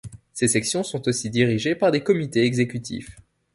Ses sections sont aussi dirigés par des comités exécutifs.